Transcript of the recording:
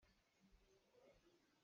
Ruahpi a haan.